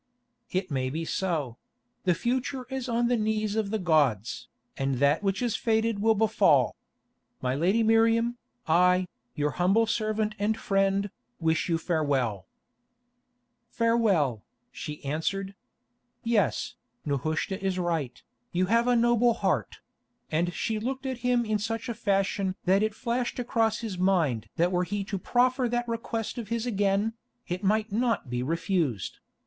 "It may be so; the future is on the knees of the gods, and that which is fated will befall. My Lady Miriam, I, your humble servant and friend, wish you farewell." "Farewell," she answered. "Yes, Nehushta is right, you have a noble heart"; and she looked at him in such a fashion that it flashed across his mind that were he to proffer that request of his again, it might not be refused.